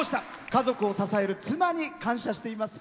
家族を支える妻に感謝しています。